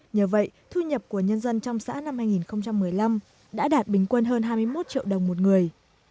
nhờ vậy thu nhập của nhân dân trong xã năm hai nghìn một mươi năm đã đạt bình quân hơn hai mươi một triệu đồng một người